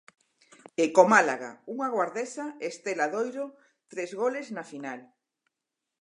E co Málaga, unha guardesa, Estela Doiro, tres goles na final.